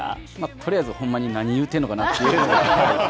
とりあえずほんまに何言うてるのかなという。